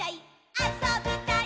あそびたい！